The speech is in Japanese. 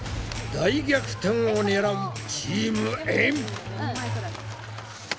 大逆転を狙うチームエん。